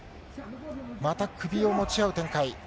また首を持ち合う展開。